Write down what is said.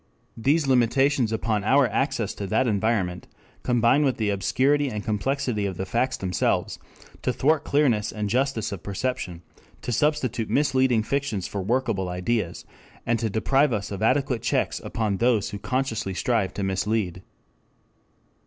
These limitations upon our access to that environment combine with the obscurity and complexity of the facts themselves to thwart clearness and justice of perception, to substitute misleading fictions for workable ideas, and to deprive us of adequate checks upon those who consciously strive to mislead.